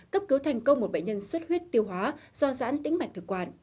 cấp cứu thành công một bệnh nhân suốt huyết tiêu hóa do giãn tính mạch thực quản